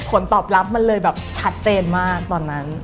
ผลตอบรับมันเลยแบบชัดเจนมากตอนนั้น